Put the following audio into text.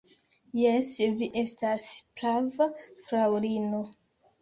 Jes, vi estas prava, fraŭlino.